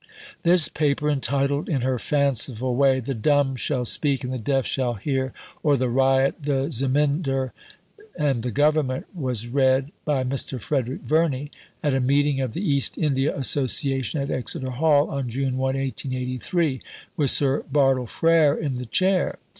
This Paper entitled in her fanciful way The Dumb shall speak, and the Deaf shall hear, or, The Ryot, the Zemindar, and the Government was read (by Mr. Frederick Verney) at a meeting of the East India Association at Exeter Hall on June 1, 1883, with Sir Bartle Frere in the chair.